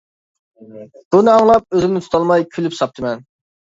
بۇنى ئاڭلاپ، ئۆزۈمنى تۇتالماي كۈلۈپ ساپتىمەن.